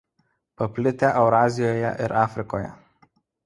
Paplitę Eurazijoje ir Afrikoje.